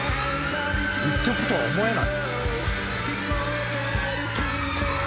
「１曲とは思えない」